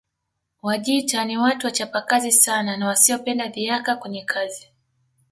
Wajita ni watu wachapakazi sana na wasiopenda dhihaka kwenye kazi